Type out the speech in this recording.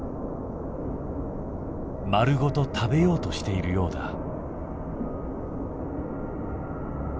丸ごと食べようとしているようだ。